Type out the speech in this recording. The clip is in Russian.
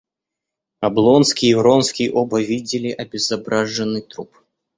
Облонский и Вронский оба видели обезображенный труп.